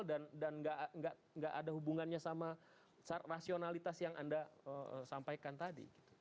dan tidak ada hubungannya sama rasionalitas yang anda sampaikan tadi